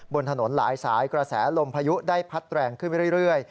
บนถนนหลายสายกระแสลมพายุได้พัดแรงขึ้นไปเรื่อย